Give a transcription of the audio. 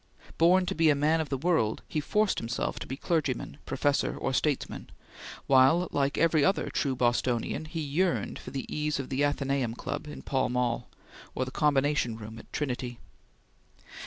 Born to be a man of the world, he forced himself to be clergyman, professor, or statesman, while, like every other true Bostonian, he yearned for the ease of the Athenaeum Club in Pall Mall or the Combination Room at Trinity.